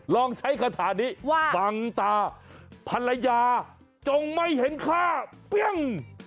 ลองใช้คาถานี้ฟังตาภรรยาจงไม่เห็นค่าเปรี้ยง